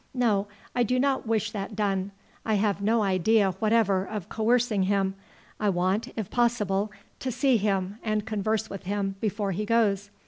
"No, I do not wish that done. I have no idea whatever of coercing him. I want, if possible, to see him and converse with him before he goes.